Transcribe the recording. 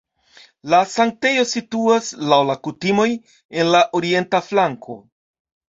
La sanktejo situas (laŭ la kutimoj) en la orienta flanko.